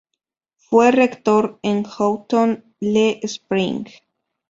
Fue rector en Houghton-le-Spring.